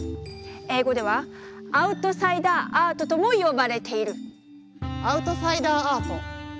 英語では「アウトサイダーアート」とも呼ばれている。